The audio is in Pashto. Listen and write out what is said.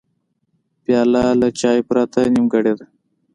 پیاله له چای پرته نیمګړې ده.